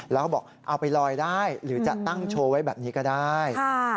แล้วเขาบอกเอาไปลอยได้หรือจะตั้งโชว์ไว้แบบนี้ก็ได้